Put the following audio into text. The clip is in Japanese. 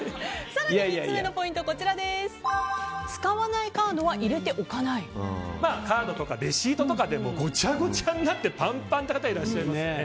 更に３つ目のポイントは使わないカードはカードとかレシートとかでごちゃごちゃになってパンパンという方いらっしゃいますよね。